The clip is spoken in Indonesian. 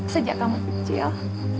sejak kamu kecil